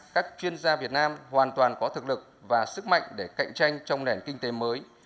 các chuyên gia việt nam hoàn toàn có thực lực và sức mạnh để cạnh tranh trong nền kinh tế mới